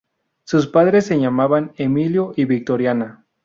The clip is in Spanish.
Sus padres se llamaban Emilio y Victoriana.